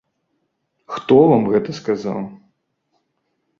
Хто вам гэта сказаў?